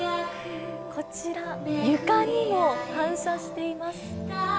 こちら、床にも反射しています。